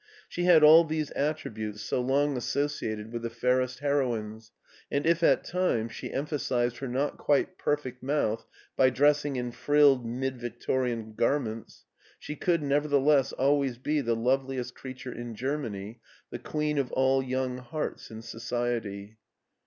She had all those attri butes so long associated with the fairest heroines, and if at times she emphasized her not quite perfect mouth by dressing in frilled mid Victorian garments, she could, nevertheless, always be the loveliest creature in Germany, the queen of all young hearts in society.